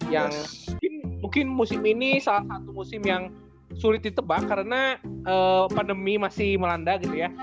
yang mungkin musim ini salah satu musim yang sulit ditebak karena pandemi masih melanda gitu ya